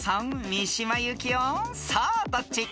［さあどっち？］